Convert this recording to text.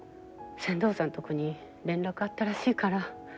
船頭さんとこに連絡あったらしいから。